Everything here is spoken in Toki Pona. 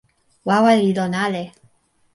wawa li lon ale.